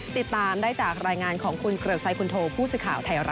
ติดตามได้จากรายงานของโครกไทยหรัดทีวีค่ะ